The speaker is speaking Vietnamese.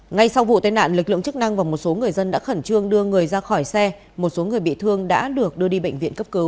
ngay sau vụ tai nạn lực lượng chức năng và một số người dân đã khẩn trương đưa người ra khỏi xe một số người bị thương đã được đưa đi bệnh viện cấp cứu